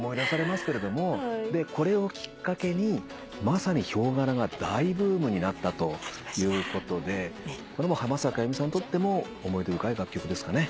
でこれをきっかけにまさにヒョウ柄が大ブームになったということでこれも浜崎あゆみさんにとっても思い出深い楽曲ですかね。